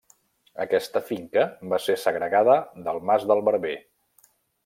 Aquesta finca va ser segregada del mas del Barber.